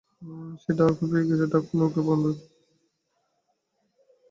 সে Darkhold পেয়ে গেছে এবং ডার্কহোল্ড ওকে প্রভাবান্বিত করছে।